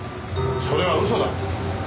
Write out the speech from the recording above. それは嘘だ。